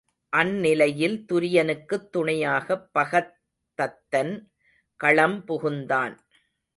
அந்நிலையில் துரியனுக்குத் துணையாகப் பகத்தத்தன் களம் புகுந்தான்.